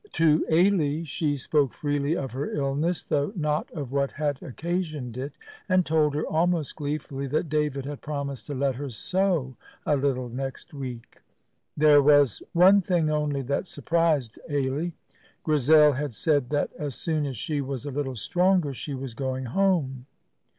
To Ailie she spoke freely of her illness, though not of what had occasioned it, and told her almost gleefully that David had promised to let her sew a little next week. There was one thing only that surprised Ailie. Grizel had said that as soon as she was a little stronger she was going home.